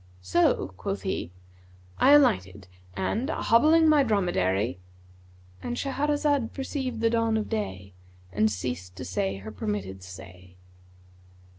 So (quoth he) "I alighted and, hobbling my dromedary,"—And Shahrazad perceived the dawn of day and ceased to say her permitted say.